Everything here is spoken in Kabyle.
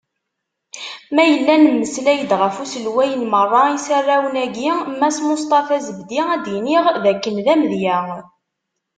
Ma yella nemmeslay-d ɣef uselway n merra isarrawen-agi, Mass Musṭafa Zebdi, ad d-iniɣ d akken d amedya.